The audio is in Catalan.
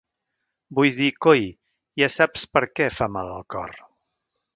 Vull dir... Coi! Ja saps per què fa mal el cor!